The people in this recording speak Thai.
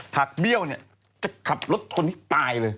ถักเบี้ยวจะขับรถที่ตายเลย